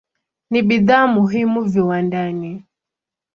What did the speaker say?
Ni bidhaa muhimu viwandani.